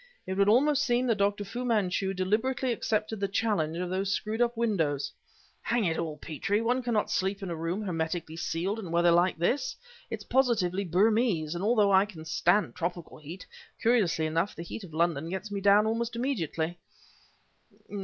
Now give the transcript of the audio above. It would almost seem that Dr. Fu Manchu deliberately accepted the challenge of those screwed up windows! Hang it all, Petrie! one cannot sleep in a room hermetically sealed, in weather like this! It's positively Burmese; and although I can stand tropical heat, curiously enough the heat of London gets me down almost immediately."